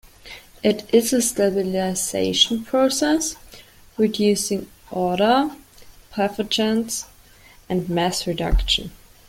It is a stabilization process, reducing odor, pathogens, and mass reduction.